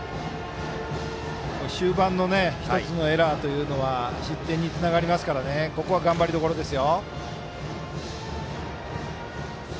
終盤の１つのエラーは失点につながりますからここは頑張りどころです。